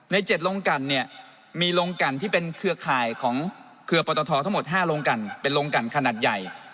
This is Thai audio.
๗โรงกันเนี่ยมีโรงกันที่เป็นเครือข่ายของเครือปตททั้งหมด๕โรงกันเป็นโรงกันขนาดใหญ่